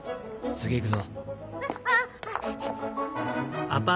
次行くぞ。